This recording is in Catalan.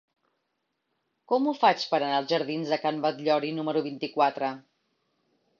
Com ho faig per anar als jardins de Can Batllori número vint-i-quatre?